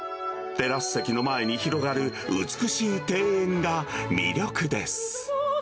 テラス席の前に広がる美しい庭園が魅力です。